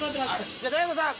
じゃあ大悟さん